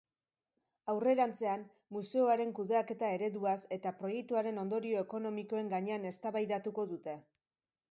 Aurrerantzean, museoaren kudeaketa ereduaz eta proiektuaren ondorio ekonomikoen gainean eztabaidatuko dute.